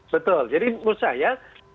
betul jadi menurut saya